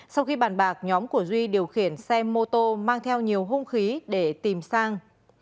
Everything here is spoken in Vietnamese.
sau khi bàn bạc nhóm của duy điều khiển xe mô tô mang theo nhiều hung khí để tìm sang